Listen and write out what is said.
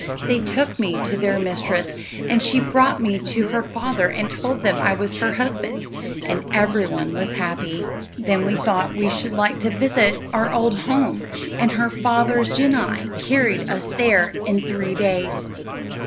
"'They took me to their mistress, and she brought me to her father and told him I was her husband; and everybody was happy. "'Then we thought we should like to visit our old home, and her father's genii carried us there in three days.